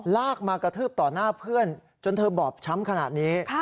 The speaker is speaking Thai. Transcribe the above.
ลากมากระทืบต่อหน้าเพื่อนจนเธอบอบช้ำขนาดนี้